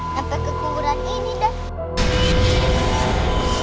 sampai ke kuburan ini dah